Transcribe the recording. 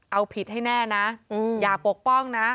เอาผิดให้แน่นะอย่าปกป้องนะ